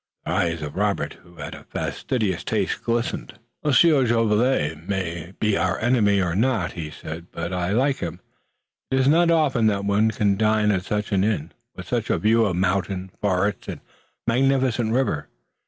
The eyes of Robert, who had a fastidious taste, glistened. "Monsieur Jolivet may be our enemy or not," he said, "but I like him. It is not often that one can dine at such an inn, with such a view of mountain, forest and magnificent river.